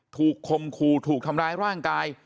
คมคู่ถูกทำร้ายร่างกาย